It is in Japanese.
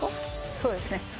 そうですね。